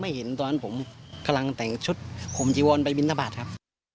เห็นตอนนั้นผมกำลังแต่งชุดข่มจีวอนไปบินทบาทครับ